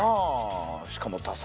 しかも多才。